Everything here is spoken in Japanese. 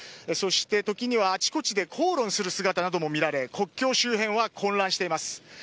そして時には、あちこちで口論する姿なども見られ国境周辺は混乱しています。